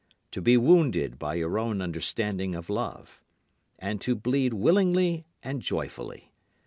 To be wounded by your own understanding of love; And to bleed willingly and joyfully.